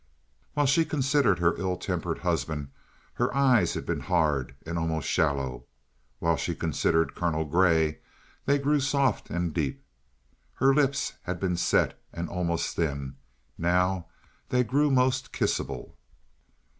While she considered her ill tempered husband her eyes had been hard and almost shallow. While she considered Colonel Grey, they grew soft and deep. Her lips had been set and almost thin; now they grew most kissable.